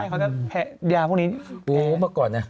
ใช่ไหมเค้าจะแพ้แย้พวกนี้